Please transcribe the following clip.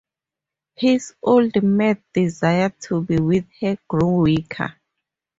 His old mad desire to be with her grew weaker.